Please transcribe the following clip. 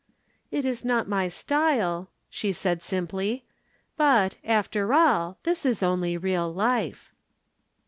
"It is not my style," she said simply, "but, after all, this is only real life."